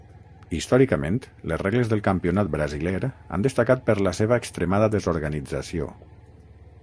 Històricament, les regles del campionat brasiler han destacat per la seva extremada desorganització.